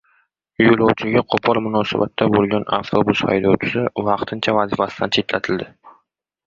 Yo‘lovchiga qo‘pol munosabatda bo‘lgan avtobus haydovchisi vaqtincha vazifasidan chetlatildi